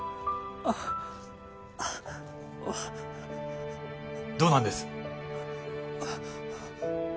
あっあっどうなんです？